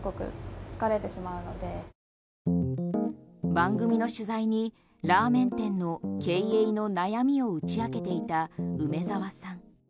番組の取材にラーメン店の経営の悩みを打ち明けていた梅澤さん。